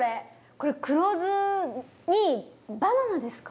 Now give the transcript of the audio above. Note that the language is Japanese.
これ黒酢にバナナですか？